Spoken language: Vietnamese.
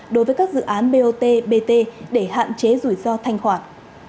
đối với các dự án bot bt để hạn chế rủi ro thanh khoản